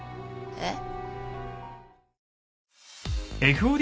えっ？